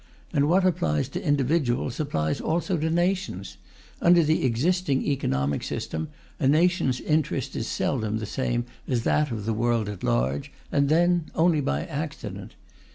And what applies to individuals applies also to nations; under the existing economic system, a nation's interest is seldom the same as that of the world at large, and then only by accident.